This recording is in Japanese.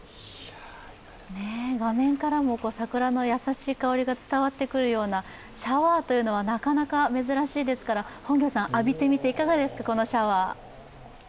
画面からも桜の優しい香りが伝わってくるようなシャワーというのはなかなか珍しいですから、本行さん、このシャワー浴びてみていかがですか？